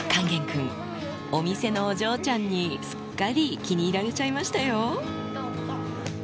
勸玄君、お店のお嬢ちゃんに、すっかり気に入られちゃいましたよ。